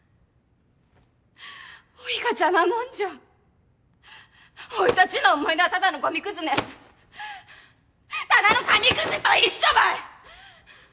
おいが邪魔者じゃおい達の思い出はただのゴミくずねただの紙くずと一緒ばい！